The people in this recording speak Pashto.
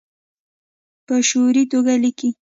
په شعوري توګه لیکي